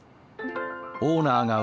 オーナーが占う